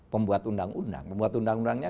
pembuat undang undang pembuat undang undangnya